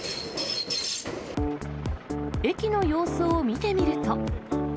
駅の様子を見てみると。